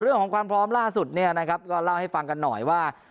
เรื่องของความพร้อมล่าสุดก็เล่าให้ฟังกันหน่อยว่า